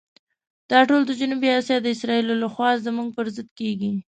دا ټول د جنوبي آسیا د اسرائیلو لخوا زموږ پر ضد کېږي.